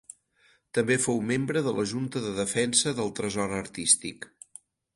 També fou membre de la Junta de Defensa del Tresor Artístic.